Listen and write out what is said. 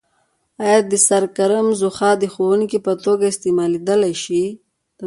آیا د سره کرم ځوښا د ښودونکي په توګه استعمالیدای شي؟